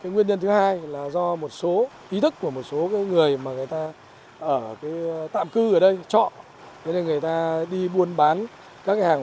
nguyên nhân thứ hai là do một số ý thức của một số người mà người ta ở tạm cư ở đây trọ cho nên người ta đi buôn bán các hàng